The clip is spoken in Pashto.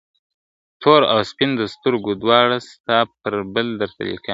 تور او سپین د سترګو دواړه ستا پر پل درته لیکمه ..